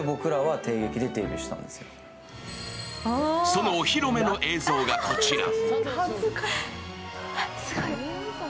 そのお披露目の映像がこちら。